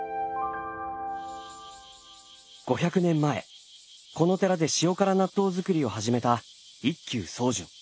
５００年前この寺で塩辛納豆造りを始めた一休宗純。